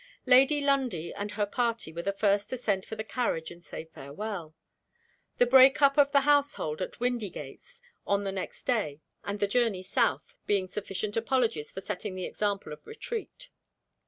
Lady Lundie and her party were the first to send for the carriage and say farewell; the break up of the household at Windygates on the next day, and the journey south, being sufficient apologies for setting the example of retreat.